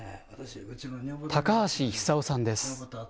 高橋久雄さんです。